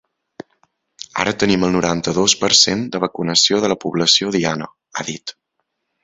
Ara tenim el noranta-dos per cent de vacunació de la població diana, ha dit.